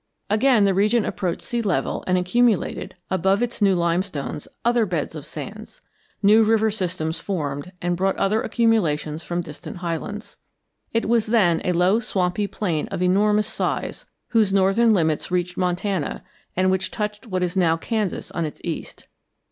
Again the region approached sea level and accumulated, above its new limestones, other beds of sands. New river systems formed and brought other accumulations from distant highlands. It was then a low swampy plain of enormous size, whose northern limits reached Montana, and which touched what now is Kansas on its east.